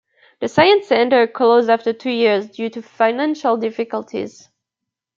The Science Center closed after two years due to financial difficulties.